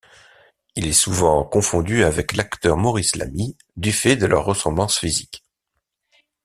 Il est souvent confondu avec l'acteur Maurice Lamy, du fait de leur ressemblance physique.